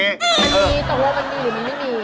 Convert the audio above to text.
มันมีตกลงมันดีหรือมันไม่มี